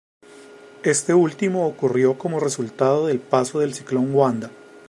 Este último ocurrió como resultado del paso del ciclón Wanda.